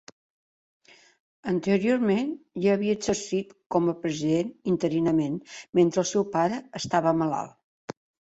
Anteriorment ja havia exercit com a president interinament mentre el seu pare estava malalt.